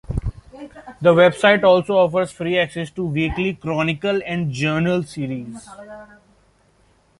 The website also offers free access to the weekly "Chronicle" and "Journal" series.